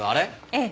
ええ。